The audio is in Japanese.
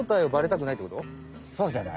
そうじゃない？